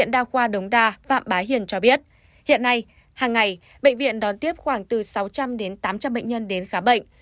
đa khoa đống đa phạm bá hiền cho biết hiện nay hàng ngày bệnh viện đón tiếp khoảng từ sáu trăm linh đến tám trăm linh bệnh nhân đến khám bệnh